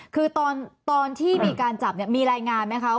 คือตอนที่มีการจับเนี่ยมีรายงานไหมคะ